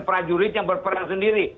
prajurit yang berperang sendiri